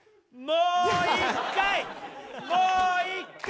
もう１回！